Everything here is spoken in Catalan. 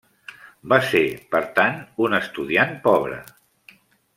Va ser, per tant, un estudiant pobre.